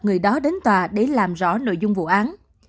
người đó đến tòa để làm rõ nội dung vụ án